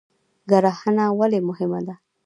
کرهڼه ولې مهمه ده؟